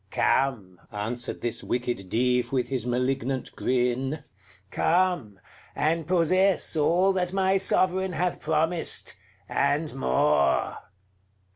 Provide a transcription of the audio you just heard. "Come!" answered this wicked Dive, with his malignant grin, "come! and possess all that my Sovereign hath promised, and more."